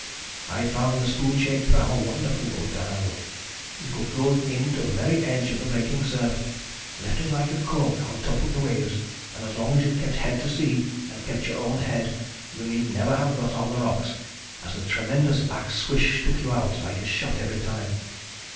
I found the spoon shaped pram a wonderful boat to handle. You could go in to the very edge of the breaking surf, lifted like a cork on top of the waves, and as long as you kept head to sea and kept your own head, you need never have got on the rocks, as the tremendous back swish took you out like a shot every time.